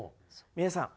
皆さん